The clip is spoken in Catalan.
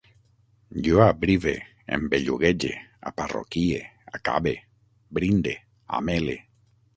Jo abrive, em belluguege, aparroquie, acabe, brinde, amele